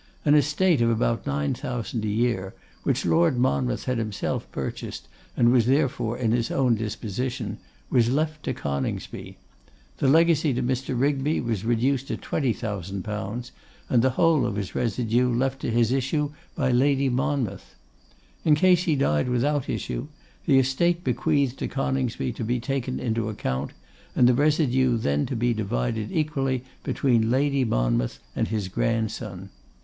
An estate of about nine thousand a year, which Lord Monmouth had himself purchased, and was therefore in his own disposition, was left to Coningsby. The legacy to Mr. Rigby was reduced to 20,000_l._, and the whole of his residue left to his issue by Lady Monmouth. In case he died without issue, the estate bequeathed to Coningsby to be taken into account, and the residue then to be divided equally between Lady Monmouth and his grandson.